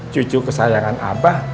cucu kesayangan abah